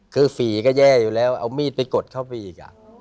คือฝีก็แย่อยู่แล้วเอามีดไปกดเข้าไปอีก